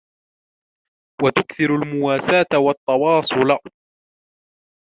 وَتُكْثِرُ الْمُوَاسَاةَ وَالتَّوَاصُلَ